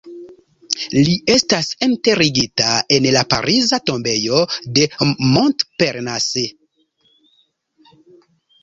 Li estas enterigita en la pariza tombejo de Montparnasse.